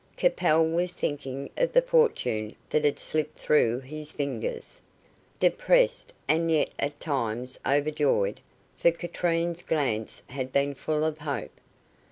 Capel was thinking of the fortune that had slipped through his fingers. Depressed, and yet at times overjoyed, for Katrine's glance had been full of hope.